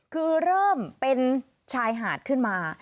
คือเริ่มเป็นชายหาดขึ้นมา